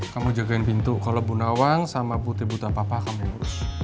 kamu jagain pintu kalau bu nawang sama putih buta papa kamu urus